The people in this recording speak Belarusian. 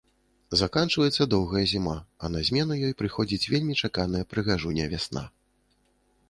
Заканчваецца доўгая зіма, а на змену ёй прыходзіць вельмі чаканая прыгажуня-вясна.